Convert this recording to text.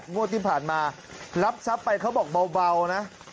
งวดที่ผ่านมารับทรัพย์ไปเขาบอกเบานะ